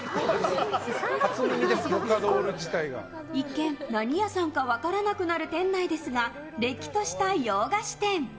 一見、何屋さんか分からなくなる店内ですがれっきとした洋菓子店。